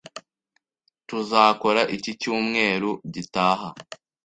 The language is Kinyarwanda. Tuzakora iki iki cyumweru gitaha?